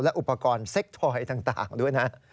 อุปกรณ์เซ็กทอยต่างด้วยนะ